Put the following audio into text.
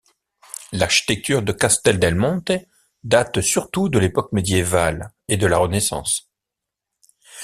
L'architecture de Castel del Monte date surtout de l'époque médiévale et de la Renaissance.